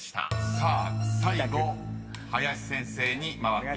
さあ最後林先生に回ってきました］